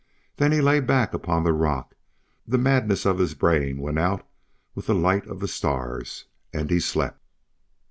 Then he lay back upon the rock; the madness of his brain went out with the light of the stars, and he slept.